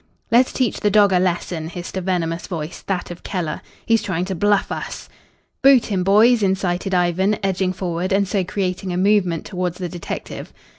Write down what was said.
"Let's teach the dog a lesson," hissed a venomous voice that of Keller. "He's trying to bluff us." "Boot him, boys," incited Ivan, edging forward and so creating a movement towards the detective.